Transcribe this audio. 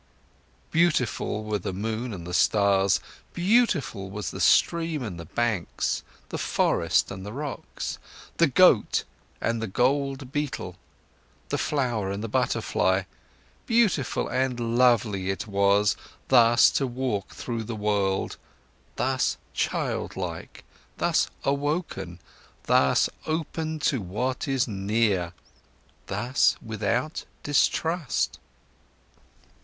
Beautiful were the moon and the stars, beautiful was the stream and the banks, the forest and the rocks, the goat and the gold beetle, the flower and the butterfly. Beautiful and lovely it was, thus to walk through the world, thus childlike, thus awoken, thus open to what is near, thus without distrust.